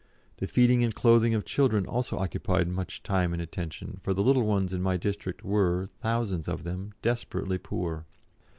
The feeding and clothing of children also occupied much time and attention, for the little ones in my district were, thousands of them, desperately poor.